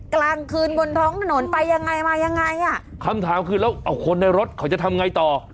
กลางคืนบนท้องถนนไปยังไงมายังไงอ่ะคำถามคือแล้วเอาคนในรถเขาจะทำไงต่อ